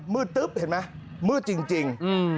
ตึ๊บเห็นไหมมืดจริง